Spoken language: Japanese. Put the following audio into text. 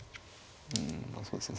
うんまあそうですね